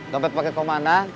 dompet pake komandan